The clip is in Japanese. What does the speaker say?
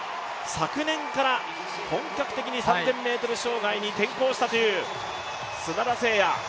昨年から本格的に３０００ｍ障害に転向したという砂田晟弥。